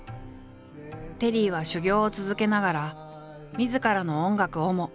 テリーは修業を続けながらみずからの音楽をも練り上げた。